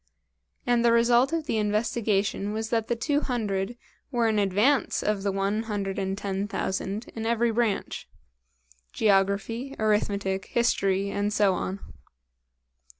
And the result of the investigation was that the two hundred were in advance of the one hundred and ten thousand in every branch geography, arithmetic, history, and so on.